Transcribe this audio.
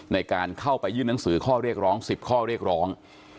ในการเข้าไปยื่นหนังสือข้อเรียกร้อง๑๐ข้อเรียกร้อง